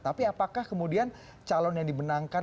tapi apakah kemudian calon yang dimenangkan